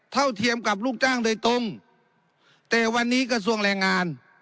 เทียมกับลูกจ้างโดยตรงแต่วันนี้กระทรวงแรงงาน